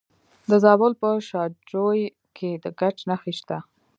د زابل په شاجوی کې د ګچ نښې شته.